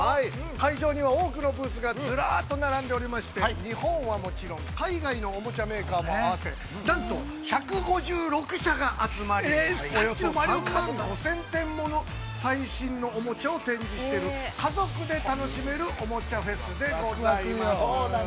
◆会場には多くのブースがずらっと並んでおりまして、日本はもちろん海外のおもちゃメーカーも合わせてなんと１５６社が集まり、およそ３万５０００点ものおもちゃを展示している、家族で楽しめるおもちゃフェスでございます。